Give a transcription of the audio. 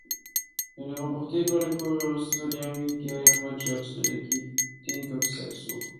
Elle est remportée par le coureur australien Michael Rogers, de l'équipe Tinkoff-Saxo.